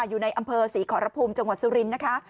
อยู่ในอำเภอศรีขอรภูมิจังหวัดสุรินทร์นะคะ